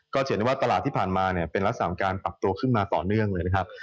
จะเห็นได้ว่าตลาดที่ผ่านมาเนี่ยเป็นลักษณะของการปรับตัวขึ้นมาต่อเนื่องเลยนะครับ